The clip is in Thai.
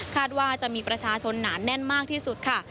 ว่าจะมีประชาชนหนาแน่นมากที่สุดค่ะ